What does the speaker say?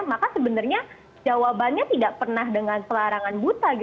maka sebenarnya jawabannya tidak pernah dengan selarangan buta